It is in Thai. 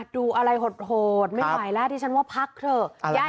ดูอะไรหดไม่ใหญ่แล้วดิฉันว่าพักเถอะ